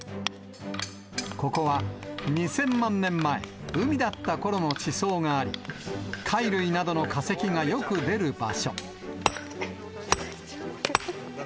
ここは２０００万年前、海だったころの地層があり、貝類などの化石がよく出る場所。